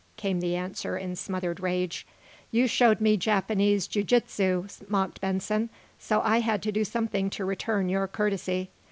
came the answer, in smothered rage. "You showed me Japanese jiu jitsu," mocked Benson "so I had to do something to return your courtesy.